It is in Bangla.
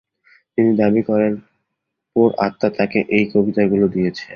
তিনি দাবি করেন পোর আত্মা তাকে এই কবিতাগুলো দিয়েছে।